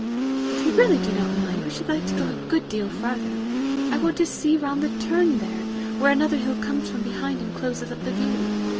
"If you really do not mind, we should like to go a good deal farther. I want to see round the turn there, where another hill comes from behind and closes up the view.